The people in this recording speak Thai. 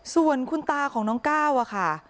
ส่วนคุณตาของน้องก้าวอะค่ะ